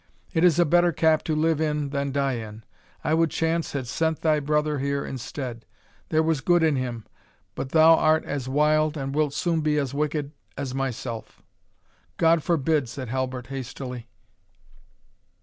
it is a better cap to live in than die in. I would chance had sent thy brother here instead there was good in him but thou art as wild, and wilt soon be as wicked as myself." "God forbid!" said Halbert, hastily.